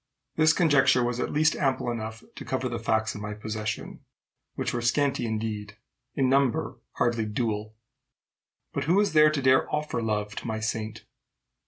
This conjecture was at least ample enough to cover the facts in my possession which were scanty indeed, in number hardly dual. But who was there to dare offer love to my saint?